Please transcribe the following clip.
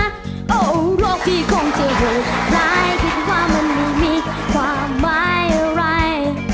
โอ้โหโลกที่คงจะหุบร้ายคิดว่ามันไม่มีความหมายอะไร